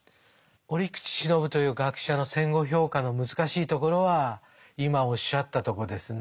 折口信夫という学者の戦後評価の難しいところは今おっしゃったとこですね。